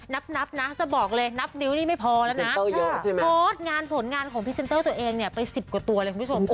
นับนะจะบอกเลยนับนิ้วนี่ไม่พอแล้วนะโพสต์งานผลงานของพรีเซนเตอร์ตัวเองเนี่ยไป๑๐กว่าตัวเลยคุณผู้ชม